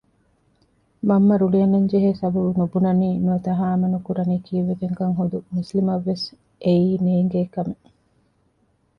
މަންމަ ރުޅި އަންނަންޖެހޭ ސަބަބު ނުބުނަނީ ނުވަތަ ހާމަ ނުކުރަނީ ކީއްވެގެންކަން ހުދު މުސްލިމަށްވެސް އެއީ ނޭންގޭ ކަމެއް